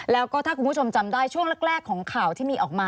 แล้วก็ถ้าคุณผู้ชมจำได้ช่วงแรกของข่าวที่มีออกมา